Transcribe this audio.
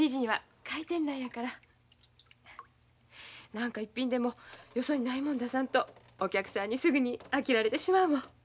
何か一品でもよそにないもん出さんとお客さんにすぐに飽きられてしまうもん。